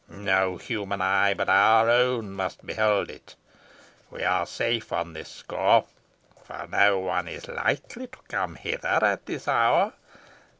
No human eye but our own must behold it. We are safe on this score, for no one is likely to come hither at this hour.